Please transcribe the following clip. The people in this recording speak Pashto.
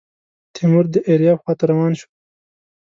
تیمور د ایریاب خواته روان شو.